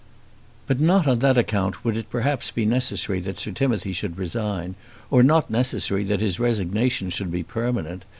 But not on that account would it perhaps be necessary that Sir Timothy should resign, or not necessary that his resignation should be permanent.